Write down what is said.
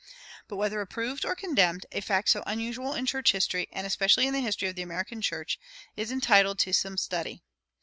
But whether approved or condemned, a fact so unusual in church history, and especially in the history of the American church, is entitled to some study.